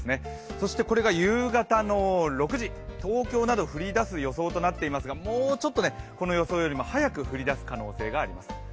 そしてこれが夕方の６時、東京など降り出す予想となっていますがもうちょっと、この予想より早く降り出す可能性があります。